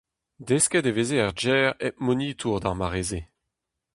Desket e veze er gêr hep monitour d'ar mare-se.